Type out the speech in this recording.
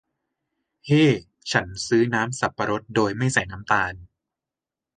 เฮ้ฉันซื้อน้ำสับปะรดโดยไม่ใส่น้ำตาล